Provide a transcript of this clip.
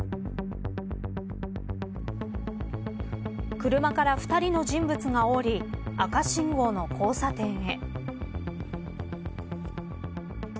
車から２人の人物が降り赤信号の交差点へ。